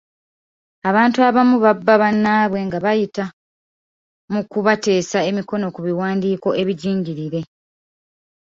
Abantu abamu babba bannaabwe nga bayita mu kubateesa emikono ku biwandiiko ebijingirire.